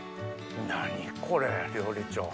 何これ料理長。